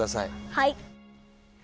はい。